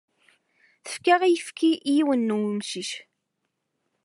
Tefka ayefki i yiwen n wemcic.